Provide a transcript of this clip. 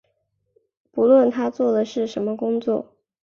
不论他做的是什么工作